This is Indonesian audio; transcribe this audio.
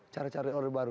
cara cara orang baru